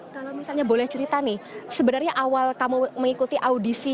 kalau misalnya boleh cerita nih sebenarnya awal kamu mengikuti audisi